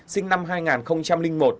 sinh năm hai nghìn một